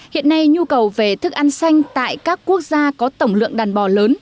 hiện nay nhu cầu về thức ăn xanh tại các quốc gia có tổng lượng đàn bò lớn